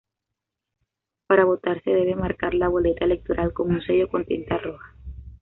Para votar, se debe marcar la boleta electoral con un sello con tinta roja.